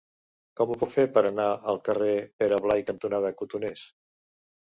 Com ho puc fer per anar al carrer Pere Blai cantonada Cotoners?